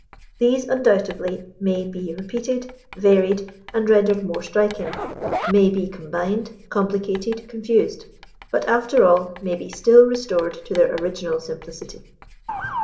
These undoubtedly may be repeated, varied, and rendered more striking; may be combined, complicated, confused; but, after all, may be still restored to their original simplicity.